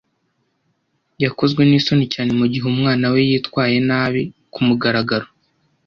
Yakozwe nisoni cyane mugihe umwana we yitwaye nabi kumugaragaro.